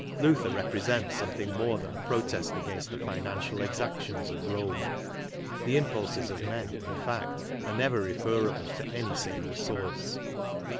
Luther represents something more th^n a protest against the financial exacdons_of Rome— The impulses of men, in fact^are' never referable to any single source.